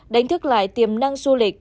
đánh thức lại tiềm năng du lịch